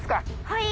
はい。